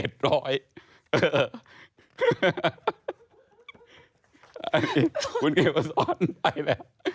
นี่คุณคิดว่าซ่อนไปแล้ว